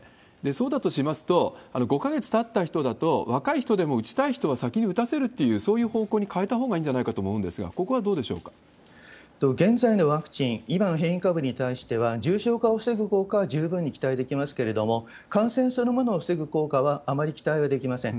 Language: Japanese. そうだとしますと、５か月たった人だと、若い人でも打ちたい人は先に打たせるっていう、そういう方向に変えたほうがいいんじゃないかと思うんですが、ここはどうでしょう現在のワクチン、今の変異株に対しては、重症化を防ぐ効果は十分に期待できますけれども、感染そのものを防ぐ効果はあまり期待はできません。